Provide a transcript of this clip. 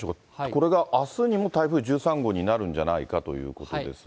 これがあすにも台風１３号になるんじゃないかということですが。